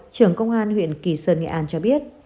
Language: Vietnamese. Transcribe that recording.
trưởng công an huyện kỳ sơn nghệ an cho biết